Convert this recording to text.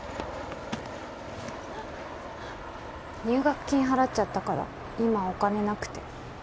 入学金払っちゃったから今お金なくて。